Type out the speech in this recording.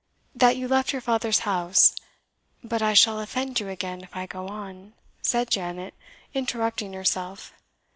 "That you left your father's house but I shall offend you again if I go on," said Janet, interrupting herself.